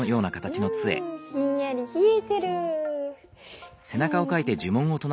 うんひんやりひえてる。